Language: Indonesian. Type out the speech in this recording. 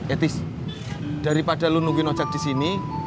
etis daripada lu nungguin ojak disini